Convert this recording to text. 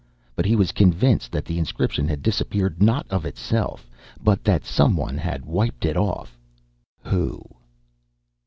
But he was convinced that the inscription had disappeared not of itself, but that some one had wiped it off. Who?